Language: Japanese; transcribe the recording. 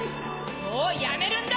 もうやめるんだ！